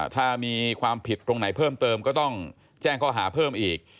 ถ้ามีความผิดตรงไหนเพิ่มเติมก็ต้องแจ้งข้อหาเพิ่มอีก